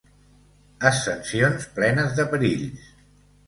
Ascensions plenes de perills.